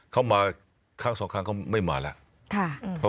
เขามาครั้งสองครั้งก็ไม่มาแล้ว